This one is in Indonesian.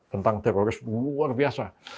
tentang terorisme luar biasa